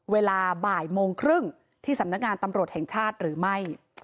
เวลาบ่ายโมงครึ่งที่สำนักงานตำรวจแห่งชาติหรือไม่